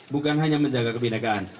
bukan hanya menjaga kebinekaan